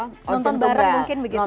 nonton bareng mungkin begitu ya